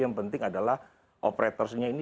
yang penting adalah operatorsnya ini